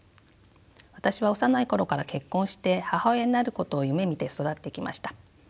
私は幼い頃から結婚して母親になることを夢みて育ってきました。